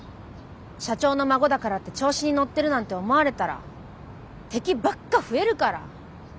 社長の孫だからって調子に乗ってるなんて思われたら敵ばっか増えるから。